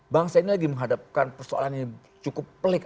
bangsa ini lagi menghadapkan persoalannya cukup pelik